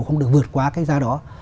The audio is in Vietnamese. không được vượt qua cái giá đó